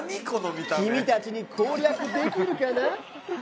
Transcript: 君たちに攻略できるかな？